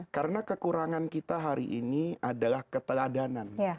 karena kekurangan kita hari ini adalah keteladanan